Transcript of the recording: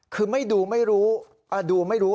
คือดูไม่รู้